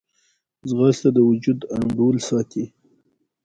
ځغاسته د وجود انډول ساتي